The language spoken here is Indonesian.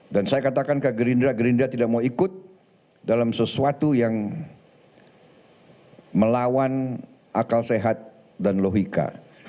dan saya katakan ke gerindra gerindra tidak mau ikut dalam sesuatu yang melawan akal sehat dan logika